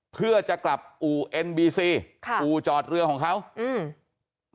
เพื่อจะกลับอู่เอ็นบีซีค่ะอู่จอดเรือของเขาอืม